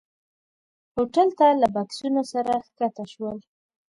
هوټل ته له بکسونو سره ښکته شول.